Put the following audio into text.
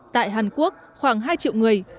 tại hàn quốc khoảng hai triệu người